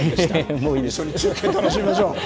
もう一緒に中継楽しみましょう。